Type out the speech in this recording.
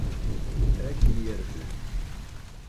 Ad kem-yerfed.